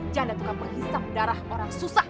janda tuh kan penghisap darah orang susah